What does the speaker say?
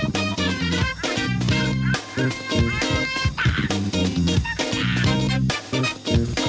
ฉันต้องไปทำธุรกิจของฉัน